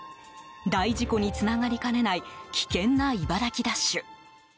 大事故につながりかねない危険な茨城ダッシュ。